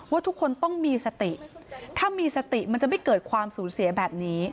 ว่าทุกคนต้องมีสติถ้ามีสติมันจะไม่เกิดความสูญเสียแบบนี้